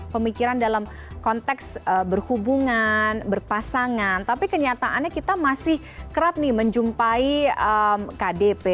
pemikiran dalam konteks berhubungan berpasangan tapi kenyataannya kita masih kerap nih menjumpai kdp